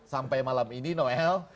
sampai malam ini noel